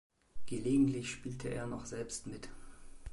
Gelegentlich spielte er noch selbst mit.